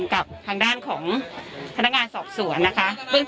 เฮ้ยอย่าดึงอย่าดึงอย่าดึง